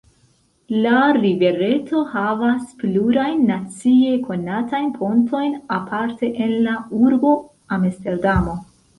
La rivereto havas plurajn nacie konatajn pontojn, aparte en la urbo Amsterdamo.